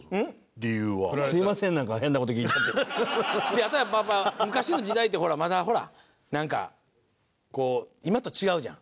やっぱ昔の時代ってほらまだほらなんかこう今と違うじゃん？